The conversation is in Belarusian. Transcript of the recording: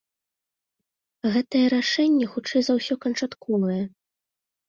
Гэтае рашэнне хутчэй за ўсё канчатковае.